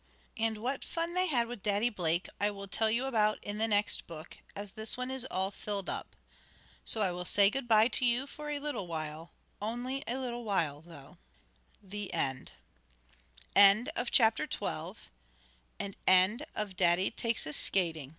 And what fun they had with Daddy Blake I will tell you about in the next book, as this one is all filled up. So I will say good bye to you for a little while, only a little while, though. THE END The next volume in this series will be called "Daddy Takes Us Coasting."